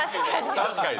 確かにね。